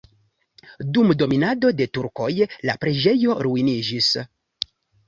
Dum dominado de turkoj la preĝejo ruiniĝis.